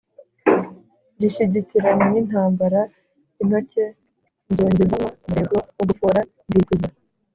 Ngishyikirana n’intambara intoke nzongezamo umurego mu gufora ndikwiza,